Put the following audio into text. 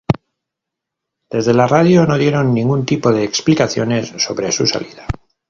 Desde la radio no dieron ningún tipo de explicaciones sobre su salida.